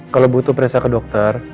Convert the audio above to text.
kalau butuh periksa ke dokter